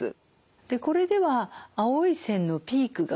でこれでは青い線のピークが３つあります。